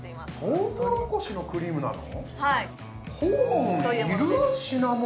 トウモロコシのクリームなの？